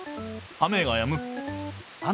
雨がやむ。